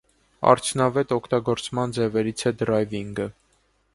Արդյունավետ օգտագործման ձևերից է դրայվինգը։